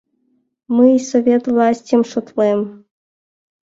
— Мый Совет властьым шотлем.